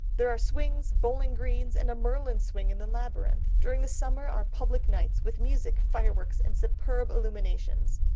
There are swings, bowling greens, and a Merlin's swing in the labyrinth. During the summer are public nights, with music, fireworks, and superb illuminations."